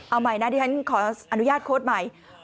เอาใหม่นะที่ฉันขออนุญาตโค้ดใหม่